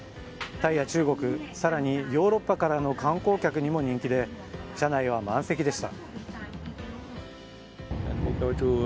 タイや中国、更にヨーロッパからの観光客にも人気で車内は満席でした。